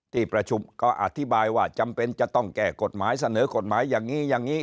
ที่ประชุมก็อธิบายว่าจำเป็นจะต้องแก้กฎหมายเสนอกฎหมายอย่างนี้อย่างนี้